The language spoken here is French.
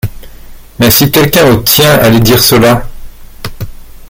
Mais si quelqu’un au tien allait dire cela ?…